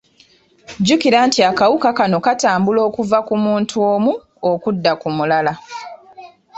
Jjukira nti akawuka kano katambula okuva ku muntu omu okudda ku mulala.